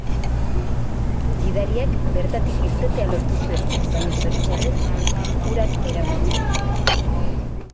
Gidariak bertatik irtetea lortu zuen, baina zoritxarrez, urak eraman zuen.